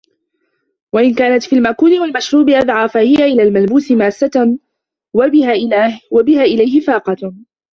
وَإِنْ كَانَتْ فِي الْمَأْكُولِ وَالْمَشْرُوبِ أَدْعَى فَهِيَ إلَى الْمَلْبُوسِ مَاسَّةٌ وَبِهَا إلَيْهِ فَاقَةٌ